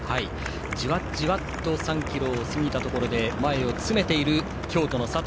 じわじわと３ｋｍを過ぎたところで前を詰めている京都の佐藤。